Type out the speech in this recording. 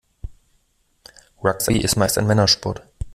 Rugby ist meist ein Männersport.